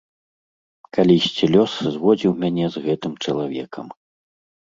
Калісьці лёс зводзіў мяне з гэтым чалавекам.